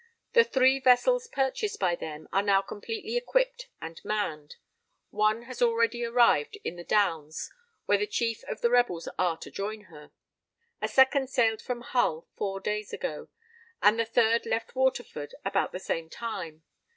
The three vessels purchased by them are now completely equipped and manned. One has already arrived in the Downs, where the Chiefs of the rebels are to join her. A second sailed from Hull four days ago: and the third left Waterford about the same time.